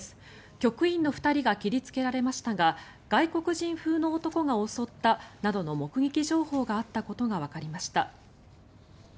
局員の２人が切りつけられましたが外国人風の男が襲ったなどの目撃情報があったことがわかりました。